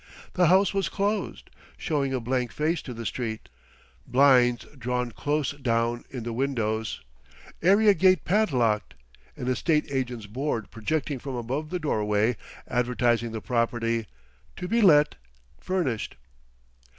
The house was closed, showing a blank face to the street blinds drawn close down in the windows, area gate padlocked, an estate agent's board projecting from above the doorway, advertising the property "To be let, furnished."